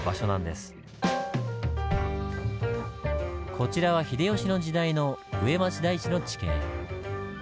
こちらは秀吉の時代の上町台地の地形。